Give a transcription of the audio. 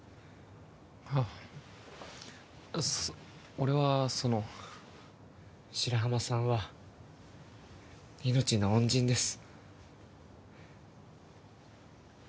俺はその白浜さんは命の恩人です